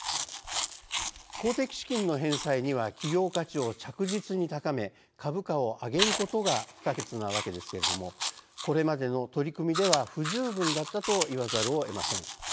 公的資金の返済には企業価値を着実に高め株価を上げることが不可欠なわけですけれどもこれまでの取り組みでは不十分だったと言わざるをえません。